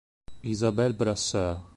Isabelle Brasseur